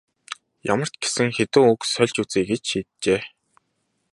Ямар ч гэсэн хэдэн үг сольж үзье гэж шийджээ.